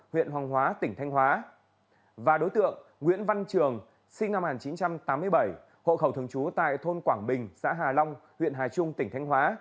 huyện hoàng hóa tỉnh thanh hóa và đối tượng nguyễn văn trường sinh năm một nghìn chín trăm tám mươi bảy hộ khẩu thường trú tại thôn quảng bình xã hà long huyện hà trung tỉnh thanh hóa